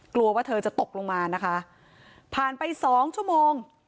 กลัวว่าเธอจะตกลงมานะคะผ่านไปสองชั่วโมง